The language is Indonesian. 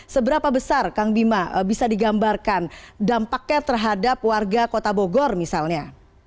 seberapa besar kang bima bisa digambarkan dampaknya terhadap warga kota bogor misalnya